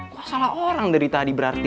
kok salah orang dari tadi berarti